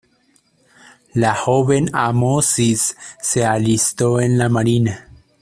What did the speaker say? El joven Amosis se alistó en la marina.